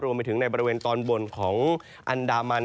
รวมไปถึงในบริเวณตอนบนของอันดามัน